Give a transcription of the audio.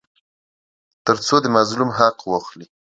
تر څو د مظلوم حق واخلي.